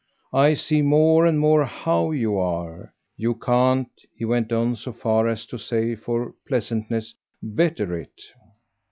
I see more and more HOW you are. You can't," he went so far as to say for pleasantness, "better it."